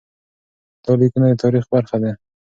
دا لیکونه د تاریخ برخه دي.